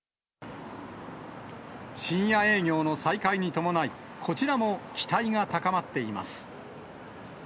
深夜営業の再開に伴い、こちらも期待が高まっています。